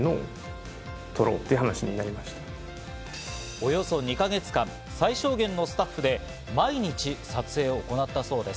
およそ２か月間、最小限のスタッフで毎日撮影を行ったそうです。